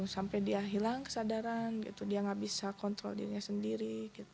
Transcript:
sampai dia hilang kesadaran gitu dia nggak bisa kontrol dirinya sendiri